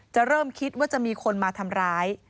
เริ่มคิดว่าจะมีคนมาทำร้าย